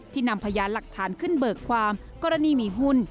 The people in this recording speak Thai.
นำพยานหลักฐานขึ้นเบิกความกรณีมีหุ้น